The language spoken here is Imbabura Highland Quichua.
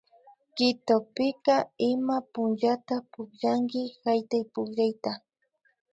Quitopika ima punllata pukllanki haytaypukllayta